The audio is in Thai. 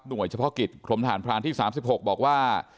หน่วยเฉพาะกิจกรมฐานพรานที่๓๖บอกว่า